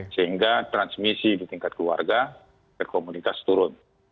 sehingga transmisi di tingkat keluarga dan komunitas turun